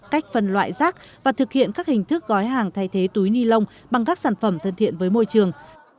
cách phân loại rác và thực hiện các hình thức gói hàng thay thế túi ni lông bằng các sản phẩm thân thiện với môi trường